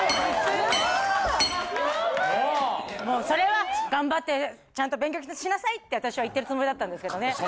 それは頑張ってちゃんと勉強しなさいって私は言ってるつもりだったんですけどね。